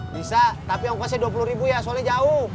bisa tapi ongkosnya dua puluh ribu ya soalnya jauh